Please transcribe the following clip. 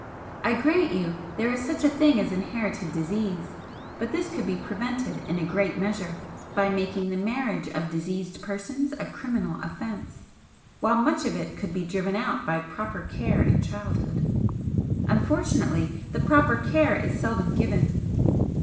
I grant you there is such a thing as inherited disease, but this could be prevented in a great measure by making the marriage of diseased persons a criminal offence, while much of it could be driven out by proper care in childhood. Unfortunately, the proper care is seldom given."